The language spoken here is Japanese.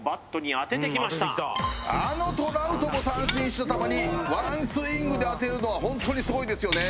あのトラウトも三振した球に１スイングで当てるのはホントにすごいですよね